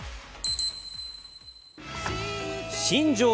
新庄